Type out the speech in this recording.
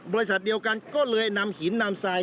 บริษัทเดียวกันก็เลยนำหินนำทราย